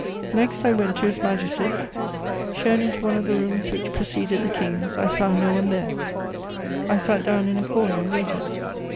Next I went to His Majesty's: shown into one of the rooms which preceded the King's, I found no one there; I sat down in a corner and waited.